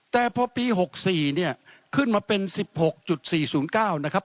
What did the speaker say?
แต่พอปี๖๔เนี่ยขึ้นมาเป็น๑๖๔๐๙นะครับ